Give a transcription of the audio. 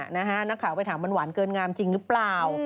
นักข่าวไปถามมันหวานเกินงามจริงหรือเปล่า